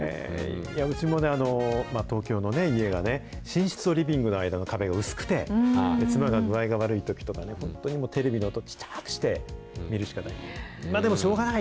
うちもね、東京の家がね、寝室とリビングの間の壁が薄くて、妻が具合悪いときとかね、本当にテレビの音、ちっちゃくして見るしかない。